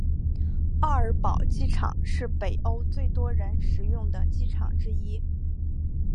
奥尔堡机场是北欧最多人使用的机场之一。